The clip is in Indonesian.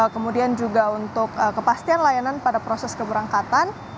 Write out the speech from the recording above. kemudian juga untuk kepastian layanan pada proses keberangkatan